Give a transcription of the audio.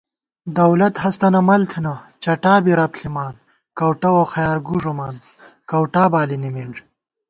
دولت ہستَنہ مل تھنہ، چٹا بی رب ݪِمان * کَؤٹہ ووخیار گُو ݫُمان، کَؤٹا بالی نِمِنݮ